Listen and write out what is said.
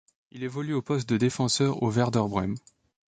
Il évolue au poste de défenseur au Werder Brême.